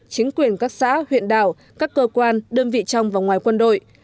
chính quyền các xã huyện đảo các cơ quan đơn vị trong và ngoài quân đội